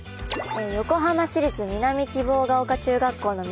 横浜市立南希望が丘中学校の皆さん。